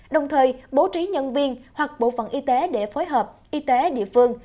đồng thời bố trí nhân viên hoặc bộ phận y tế để phối hợp y tế địa phương